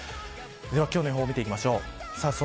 では今日の予報を見ていきます。